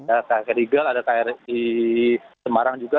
ada kri riga ada kri semarang juga